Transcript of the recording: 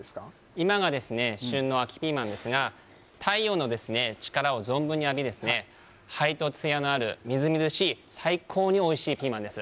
今が旬の秋ピーマンですが太陽の力を存分に浴びてはりとつやのある、みずみずしい最高においしいピーマンです。